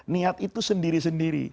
niat itu sendiri sendiri